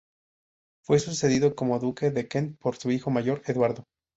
Fue sucedido como duque de Kent por su hijo mayor, Eduardo.